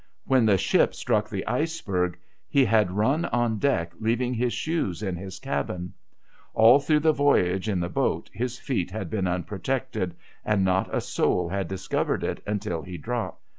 When the ship struck the 146 THE WRECK OE THE GOLDEN UARY Iceberg, lie had run on deck leaving his shoes in his cabin. All through the voyage in the boat his feet had been unprotected ; and not a soul had discovered it until he dropped